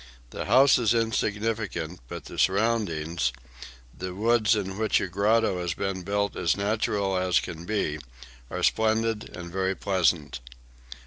The house is insignificant, but the surroundings, the woods in which a grotto has been built as natural as can be, are splendid and very pleasant."